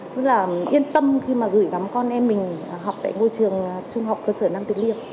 rất yên tâm khi gửi gắm con em mình học tại môi trường trung học cơ sở nam từ liêm